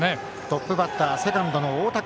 トップバッターセカンドの大高。